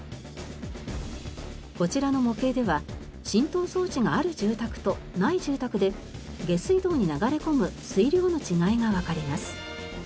こちらの模型では浸透装置がある住宅とない住宅で下水道に流れ込む水量の違いがわかります。